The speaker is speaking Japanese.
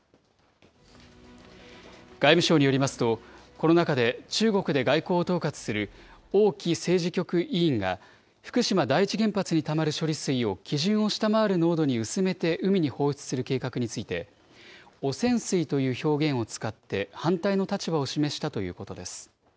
外務省によりますと、この中で中国で外交を統括する王毅政治局委員が、福島第一原発にたまる処理水を基準を下回る濃度に薄めて海に放出する計画について、汚染水という表現を使って、反対の立場を示したということです。